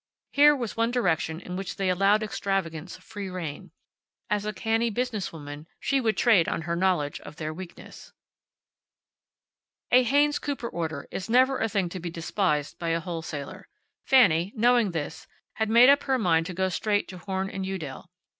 Here was one direction in which they allowed extravagance free rein. As a canny business woman, she would trade on her knowledge of their weakness. At Haynes Cooper order is never a thing to be despised by a wholesaler. Fanny, knowing this, had made up her mind to go straight to Horn & Udell.